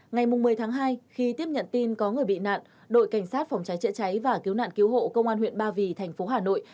ngày một mươi tháng hai khi tiếp nhận tin có người bị nạn đội cảnh sát phòng cháy chữa cháy và cứu nạn cứu hộ công an huyện ba vì thành phố hà nội